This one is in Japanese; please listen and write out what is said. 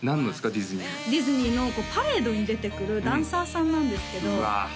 ディズニーディズニーのパレードに出てくるダンサーさんなんですけどうわあ